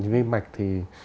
vi mạch thì